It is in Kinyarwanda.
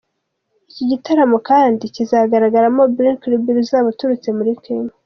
Iki gitaramo kandi kizagaragaramo Blinky Bill uzaba aturutse muri Kenya.